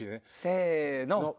せの！